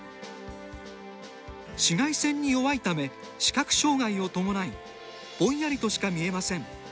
紫外線に弱いため視覚障がいを伴いぼんやりとしか見えません。